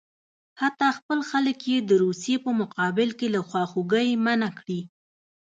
حتی خپل خلک یې د روسیې په مقابل کې له خواخوږۍ منع کړي.